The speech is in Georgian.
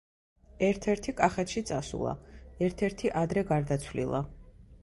ერთ-ერთი კახეთში წასულა, ერთ-ერთი ადრე გარდაცვლილა.